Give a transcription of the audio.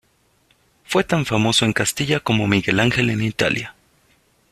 Fue tan famoso en Castilla como Miguel Ángel en Italia.